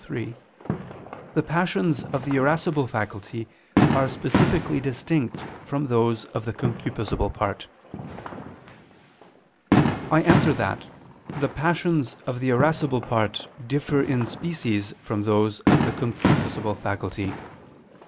3), the passions of the irascible faculty are specifically distinct from those of the concupiscible part. I answer that, The passions of the irascible part differ in species from those of the concupiscible faculty.